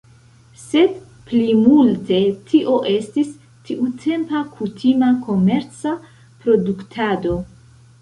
Sed plimulte tio estis tiutempa kutima komerca produktado.